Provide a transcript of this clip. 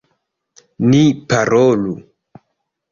Ni parolu.